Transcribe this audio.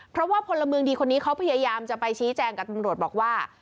เพราะว่าพลเมืองดีคนนี้เขาพยายามจะไปชี้แจงกับตำรวจบอกว่า